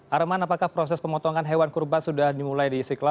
arman apakah proses pemotongan hewan kurban sudah dimulai di istiqlal